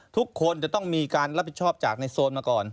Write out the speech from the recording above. ทุกคนจะต้องมีการรับผิดชอบจากในโซนมาก่อน